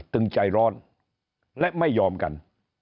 ใจร้อนและไม่ยอมกัน